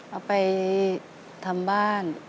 เอาไปทำบ้าน